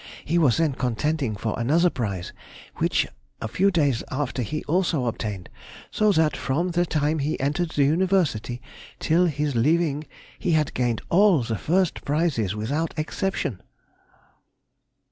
He was then contending for another prize, which a few days after he also obtained, so that from the time he entered the University till his leaving he had gained all the first prizes without exception.